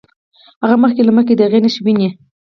هغه مخکې له مخکې د هغې نښې ويني.